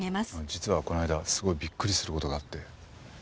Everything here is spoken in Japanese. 実はこの間すごいびっくりする事があって。